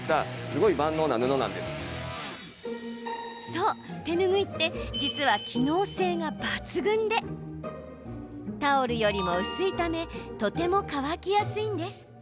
そう、手ぬぐいって実は機能性が抜群でタオルよりも薄いためとても乾きやすいんです。